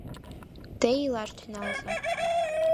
Те илаш тӱҥалза